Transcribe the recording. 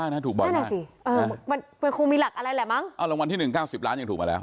เนี่ยฮะ